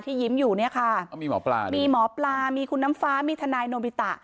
ที่ยิ้มอยู่เนี่ยค่ะมีหมอปลามีคุณน้ำฟ้ามีธนายโนมิตะ